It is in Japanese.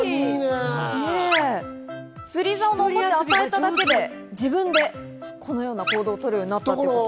釣り竿のおもちゃを与えただけで自分でこのような行動をとるようになったということです。